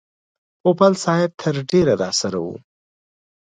پوپل صاحب تر ډېره راسره و.